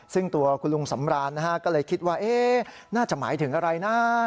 ซึ่งตัวคุณลุงสำรานนะฮะก็เลยคิดว่าน่าจะหมายถึงอะไรนะ